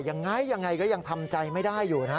อย่างไรก็ยังทำใจไม่ได้อยู่